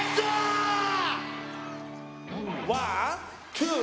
ワンツー！